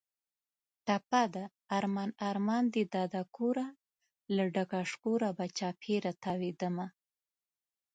ټپه ده: ارمان ارمان دې دادا کوره، له ډکه شکوره به چاپېره تاوېدمه